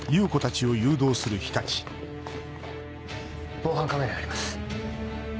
防犯カメラがあります。